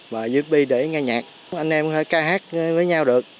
và usb để nghe nhạc anh em có thể ca hát với nhau được